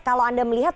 kalau anda melihat